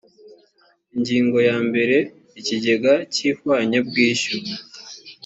ingingo ya mbere ikigega cy’ihwanyabwishyu